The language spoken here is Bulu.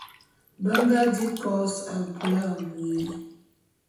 Be nga di kos abui abui.